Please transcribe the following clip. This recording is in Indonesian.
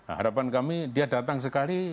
harapan kami dia datang sekali